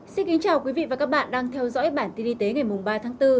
xin kính chào quý vị và các bạn đang theo dõi bản tin y tế ngày ba tháng bốn